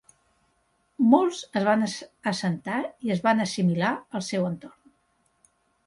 Molts es van assentar i es van assimilar al seu nou entorn.